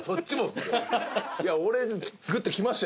いや俺グッときましたよ。